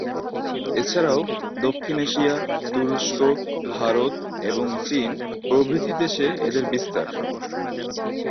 এছাড়াও দক্ষিণ এশিয়া, তুরস্ক, ভারত এবং চীন প্রভৃতি দেশে এদের বিস্তার।